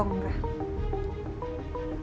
kalo dia gak hamil